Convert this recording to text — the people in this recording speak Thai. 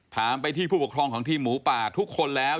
ถามไปที่ผู้ปกครองของทีมหมูป่าทุกคนแล้ว